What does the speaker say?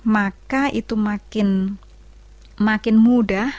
maka itu makin mudah